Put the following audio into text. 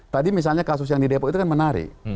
tadi misalnya kasus yang di depok itu kan menarik